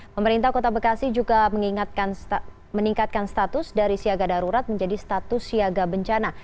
pemerintah kota bekasi juga meningkatkan status dari siaga darurat menjadi status siaga bencana